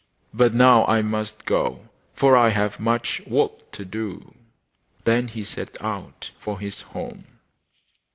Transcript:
But now I must go, for I have much work to do.' Then he set out for his home.